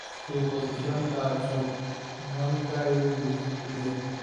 Su posición taxonómica es discutida.